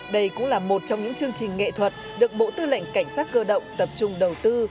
đây cũng là một trong những chương trình nghệ thuật được bộ tư lệnh cảnh sát cơ động tập trung đầu tư